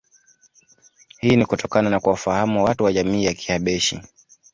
Hii ni kutokana na kuwafahamu watu wa jamii ya Kihabeshi